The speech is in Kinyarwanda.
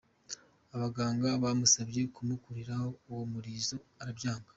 Abaganga bamusabye kumukuriraho uwo murizo arabyanga.